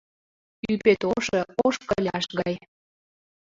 Ӱпет ошо — ош кыляш гай...